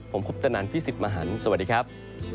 ผมคุปตนันพี่สิทธิ์มหันฯสวัสดีครับ